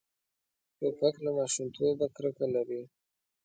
توپک له ماشومتوبه کرکه لري.